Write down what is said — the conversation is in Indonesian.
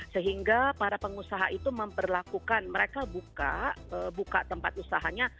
sehingga para pengusaha itu memperlakukan mereka buka tempat usahanya